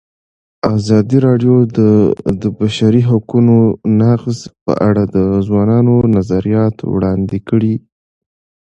ازادي راډیو د د بشري حقونو نقض په اړه د ځوانانو نظریات وړاندې کړي.